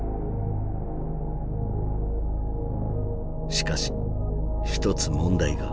しかし一つ問題が。